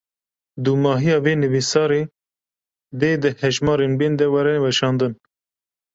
Dûmahiya vê nivîsarê, dê di hejmarên bên de were weşandin